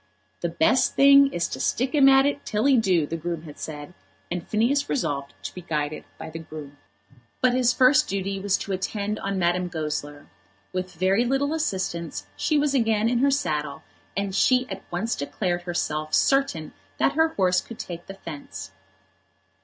"The best thing is to stick him at it till he do," the groom had said; and Phineas resolved to be guided by the groom. But his first duty was to attend on Madame Goesler. With very little assistance she was again in her saddle, and she at once declared herself certain that her horse could take the fence.